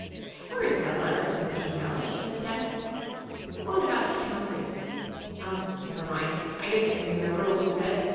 where is that letter from Mr. Mellish, Miss Kettle?... The one about the castings.... Oh, never mind, I guess I can remember what he said....